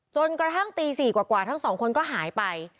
จนกระทั่งตี๔กว่าทั้งสองคนก็หายไป